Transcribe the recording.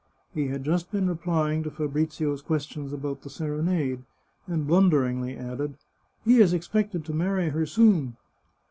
He had just been replying to Fabrizio's questions about the serenade, and blunderingly added, " He is expected to marry her soon."